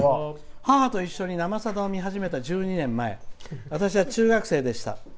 母と一緒に「生さだ」を見始めた１２年前私は中学生でした。